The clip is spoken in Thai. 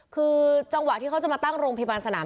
คือจังหวะที่เขาจะมาตั้งโรงพยาบาลสนาม